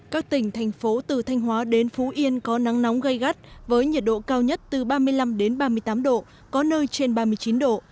các tỉnh thành phố từ thanh hóa đến phú yên có nắng nóng gây gắt với nhiệt độ cao nhất từ ba mươi năm ba mươi tám độ có nơi trên ba mươi chín độ